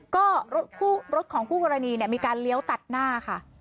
ก็รถของคู่กรณีเนี่ยมีการเลี้ยวตัดหน้าค่ะ